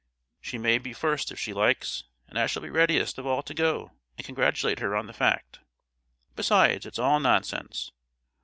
She may be first, if she likes, and I shall be readiest of all to go and congratulate her on the fact. Besides, it's all nonsense!